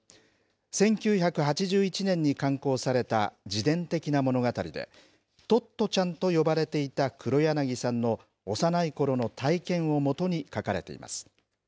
１９８１年に刊行された自伝的な物語で、トットちゃんと呼ばれていた黒柳さんの幼いころの体験をもとに書かれています。